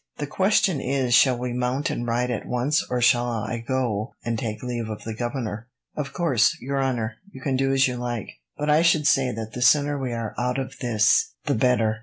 "The question is, shall we mount and ride at once, or shall I go and take leave of the governor?" "Of course, your honour, you can do as you like, but I should say that the sooner we are out of this, the better.